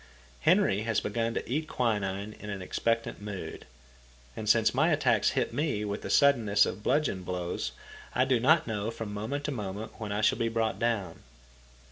Henry has begun to eat quinine in an expectant mood. And, since my attacks hit me with the suddenness of bludgeon blows I do not know from moment to moment when I shall be brought down.